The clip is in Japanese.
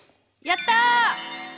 やった！